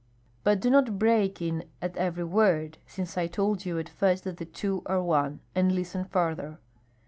"But do not break in at every word, since I told you at first that the two are one; and listen farther.